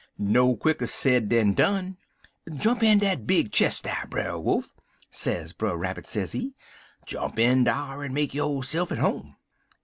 "No quicker sed dan done. "'Jump in dat big chist dar, Brer Wolf,' sez Brer Rabbit, sezee; 'jump in dar en make yo'se'f at home.'